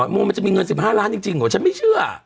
โมมันจะมีเงินสิบห้าล้านจริงจริงหรอฉันไม่เชื่อ